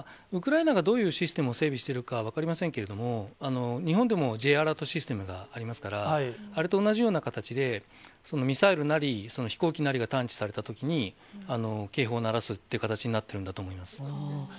ウクライナがどういうシステムを整備しているか、分かりませんけれども、日本でもＪアラートシステムがありますから、あれと同じような形で、ミサイルなり、飛行機なりが探知されたときに、警報を鳴らすっていう形になっているんだと思います。